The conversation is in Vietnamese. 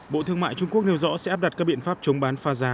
bộ thương mại trung quốc nêu rõ sẽ áp đặt các biện pháp chống bán phá giá